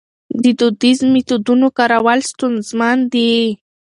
د دودیزو میتودونو کارول ستونزمن دي.